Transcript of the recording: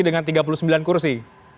dengan tiga puluh sembilan kursi